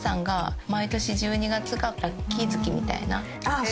あっ